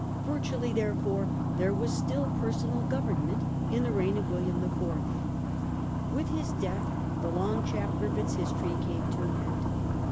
Virtually, therefore, there was still personal government in the reign of William IV. With his death the long chapter of its history came to an end.